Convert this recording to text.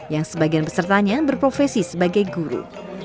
yang sebagian pesertanya berprofesi sebagai guru